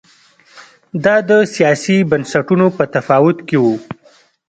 دا د سیاسي بنسټونو په تفاوت کې و